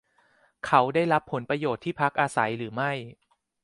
เขาได้รับผลประโยชน์ที่พักอาศัยหรือไม่ ?